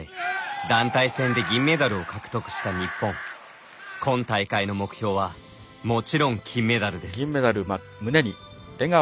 団体戦で銀メダルを獲得した日本今大会の目標はもちろん金メダルです。